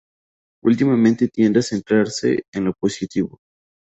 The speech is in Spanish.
Últimamente tiende a centrarse en lo positivo.